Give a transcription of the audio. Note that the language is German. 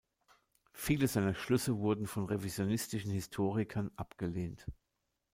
Viele seiner Schlüsse wurden von revisionistischen Historikern abgelehnt.